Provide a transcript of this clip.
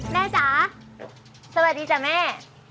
แม่จ๊ะสวัสดีจ๊ะแม่